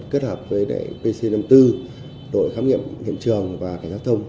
kết hợp với đại pc năm mươi bốn đội khám nghiệm hiện trường và cảnh sát thông